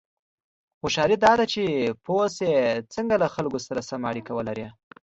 هوښیاري دا ده چې پوه شې څنګه له خلکو سره سمه اړیکه ولرې.